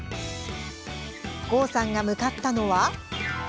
郷さんが向かったのは。